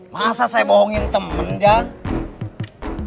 masa saya bohongin temen jahat